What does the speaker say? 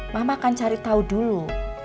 mama akan cari tahu dulu